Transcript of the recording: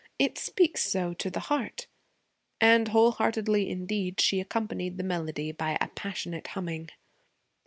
it speaks so to the heart.' And, whole heartedly indeed, she accompanied the melody by a passionate humming.